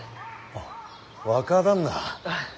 あっ若旦那。